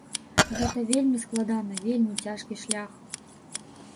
Гэта вельмі складана, вельмі цяжкі шлях.